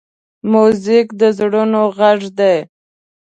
موزیک د زړونو غږ دی.